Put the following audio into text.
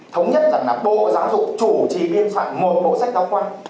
thống nhất rằng là bộ giáo dục chủ trì biên soạn một bộ sách giáo khoa